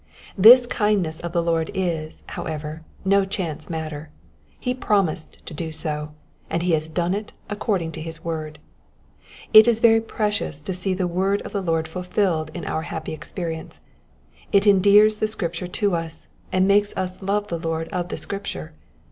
This kindness of the Lord is, however, no chance matter : he promised to do so, and he has done it according to his word. It is very precious to see the word of the Lord fulfilled in our happy experience ; it endears the Scripture to us, and makes us love the Lord of the Scripture.